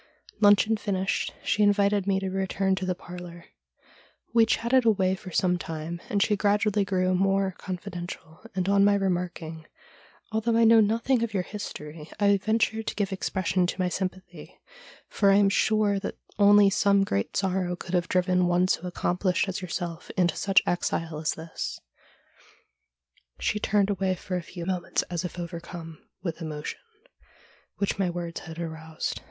Luncheon finished, she invited me to returr. to the parlour. We chatted away for some time, and she gradually grew more confidential, and on my remarking, ' Although I know nothing of your history, I venture to give expression to mj sympathy, for I am sure that only some great sorrow couk have driven one so accomplished as yourself into such exile as this,' she turned away for a few moments as if overcom* THE DREAM THAT CAME TRUE 221 with emotion, which my words had aroused.